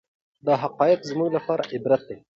دا حقایق زموږ لپاره عبرت دي.